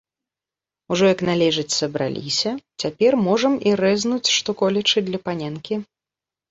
Ужо як належыць сабраліся, цяпер можам і рэзнуць што-колечы для паненкі.